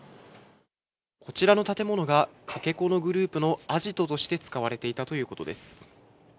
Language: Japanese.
こちらの建物が、かけ子のグループのアジトとして使われていたということです。